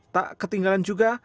tak ketinggalan juga